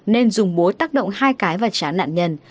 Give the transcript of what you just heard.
nên dùng bố tác động hai cái và trá nạn nhân